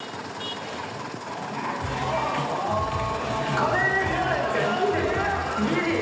これじゃないですかギリ。